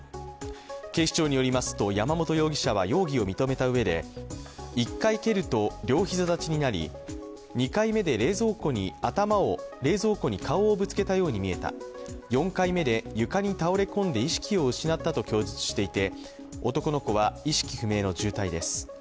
警視庁によりますと、山本容疑者は容疑を認めたうえで１回蹴ると両膝立ちになり、２回目で冷蔵庫に顔をぶつけたように見えた、４回目で床に倒れ込んで意識を失ったと供述していて男の子は意識不明の重体です。